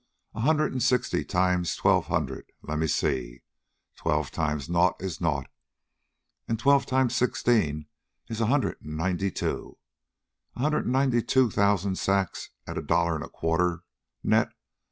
A hundred and sixty times twelve hundred... let me see... twelve times nought is nought and twelve times sixteen is a hundred and ninety two... a hundred and ninety two thousand sacks at a dollar and a quarter net...